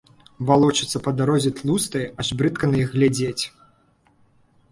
Валочацца па дарозе тлустыя, аж брыдка на іх глядзець.